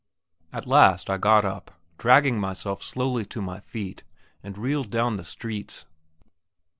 At last I got up, dragging myself slowly to my feet, and reeled down the streets.